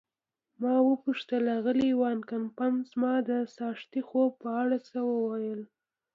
ما وپوښتل: آغلې وان کمپن زما د څاښتي خوب په اړه څه ویلي وو؟